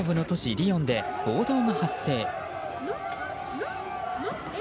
リヨンで暴動が発生。